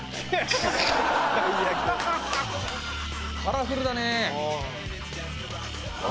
カラフルだね。